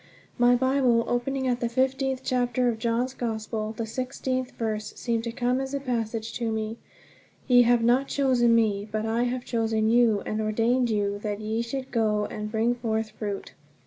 My Bible opening at the fifteenth chapter of John's Gospel, the sixteenth verse seemed to come as a message to me: "Ye have not chosen me, but I have chosen you, and ordained you, that ye should go and bring forth fruit."